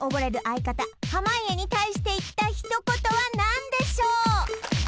相方濱家に対して言った一言は何でしょう？